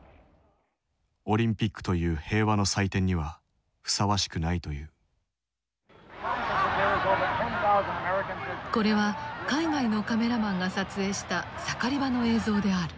オリンピックという平和の祭典にはふさわしくないというこれは海外のカメラマンが撮影した盛り場の映像である。